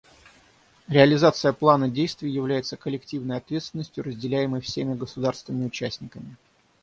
Реализация плана действий является коллективной ответственностью, разделяемой всеми государствами-участниками.